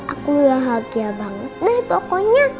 aku bahagia banget nah pokoknya